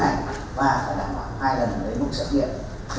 và phải đảm bảo hai lần để buộc xét nghiệm